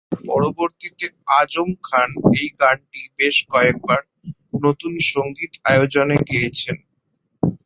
পরবর্তীতে আজম খান এই গানটি বেশ কয়েকবার নতুন সংগীত আয়োজনে গেয়েছেন।